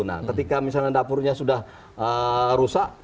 nah ketika misalnya dapurnya sudah rusak